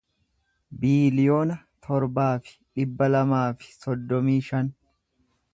biiliyoona torbaa fi dhibba lamaa fi soddomii shan